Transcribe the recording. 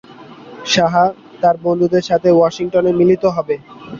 শাহ তার বন্ধুদের সাথে ওয়াশিংটনে মিলিত হবে।